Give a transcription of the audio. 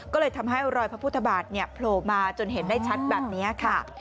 ก็เลยทำให้รอยพระพุทธบาทโผล่มาจนเห็นได้ชัดแบบนี้ค่ะ